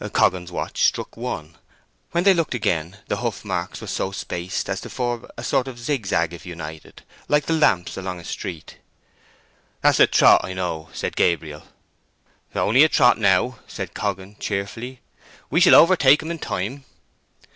Coggan's watch struck one. When they looked again the hoof marks were so spaced as to form a sort of zigzag if united, like the lamps along a street. "That's a trot, I know," said Gabriel. "Only a trot now," said Coggan, cheerfully. "We shall overtake him in time."